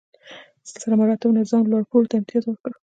سلسله مراتبو نظام لوړ پوړو ته امتیاز ورکړ.